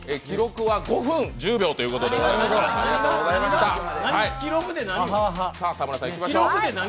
記録は５分１０秒ということでした。